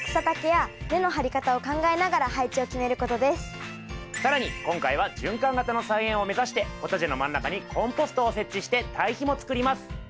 ポイントは更に今回は循環型の菜園を目指してポタジェの真ん中にコンポストを設置して堆肥もつくります。